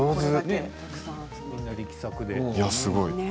みんな力作で。